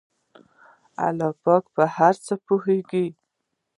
الله په هر څه پوهیږي.